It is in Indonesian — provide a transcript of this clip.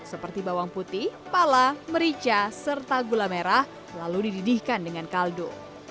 seperti bawang putih pala merica serta gula merah lalu dididihkan dengan kaldu